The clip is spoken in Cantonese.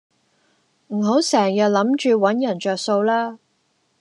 唔好成人諗住搵人着數啦